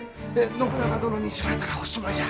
信長殿に知られたらおしまいじゃ。